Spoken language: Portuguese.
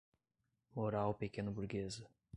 moral pequeno-burguesa